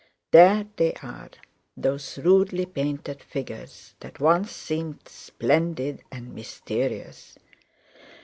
"There they are, those rudely painted figures that once seemed splendid and mysterious.